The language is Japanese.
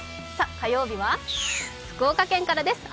火曜日は福岡県からです。